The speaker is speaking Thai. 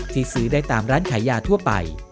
ซื้อได้ตามร้านขายยาทั่วไป